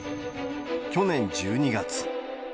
去年１２月。